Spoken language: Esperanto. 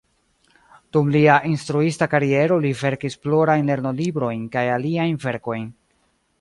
Dum lia instruista kariero li verkis plurajn lernolibrojn kaj aliajn verkojn.